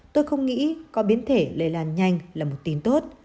tôi không nghĩ có biến thể lây lan nhanh là một tin tốt